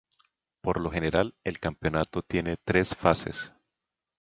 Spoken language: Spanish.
Por lo general, el campeonato tiene tres fases.